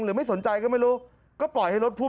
หรือไม่สนใจก็ไม่รู้ก็ปล่อยให้รถพ่